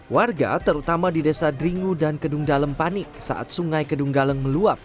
warga terutama di desa dringu dan kedung dalem panik saat sungai kedunggaleng meluap